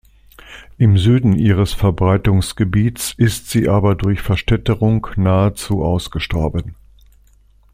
Im Süden ihres Verbreitungsgebiets ist sie aber durch Verstädterung nahezu ausgestorben.